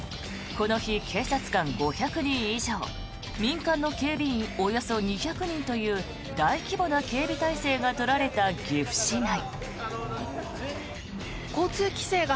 この日、警察官５００人以上民間の警備員およそ２００人という大規模な警備態勢が取られた岐阜市内。